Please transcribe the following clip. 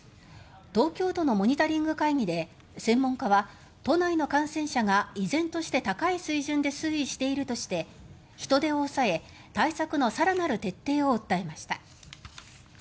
東京都のモニタリング会議で専門家は都内の感染者が依然として高い水準で推移しているとして、人出を抑え対策の更なる徹底を訴えました。